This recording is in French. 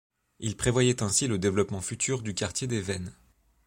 Il prévoyait ainsi le développement futur du quartier des Vennes.